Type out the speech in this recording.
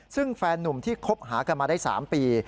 ซึ่งแฟนนุ่มที่คบหากันมาได้๓ปี